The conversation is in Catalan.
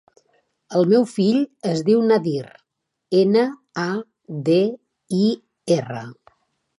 El meu fill es diu Nadir: ena, a, de, i, erra.